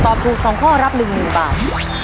ตอบถูก๒ข้อรับ๑หนึ่งบาท